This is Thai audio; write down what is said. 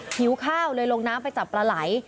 หิวข้าวเลยลงน้ำไปจับปลาไหล